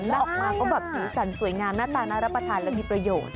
แล้วออกมาก็แบบสีสันสวยงามหน้าตานรับภาษาแล้วมีประโยชน์